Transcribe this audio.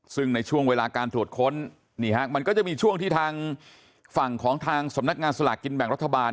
ซึ่งในช่วงเวลาการตรวจค้นนี่ฮะมันก็จะมีช่วงที่ทางฝั่งของทางสำนักงานสลากกินแบ่งรัฐบาล